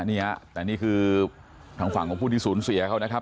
นี่ฮะแต่นี่คือทางฝั่งของผู้ที่สูญเสียเขานะครับ